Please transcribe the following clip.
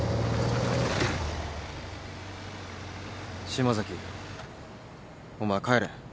島崎お前帰れ。